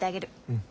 うん。